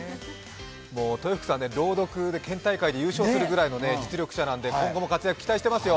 豊福さんね、朗読の県大会で優勝するくらいの実力者なんで今後も活躍、期待してますよ。